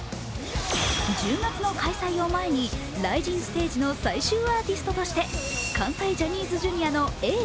１０月の開催を前に、雷神ステージの最終アーティストとして関西ジャニーズＪｒ．のＡぇ！